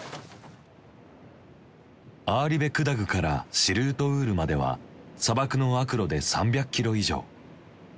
アーリベクダグからシルートウールまでは砂漠の悪路で３００キロ以上。